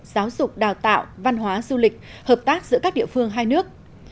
giáo dục đào tạo văn hóa du lịch hợp tác giữa các địa phương hai nước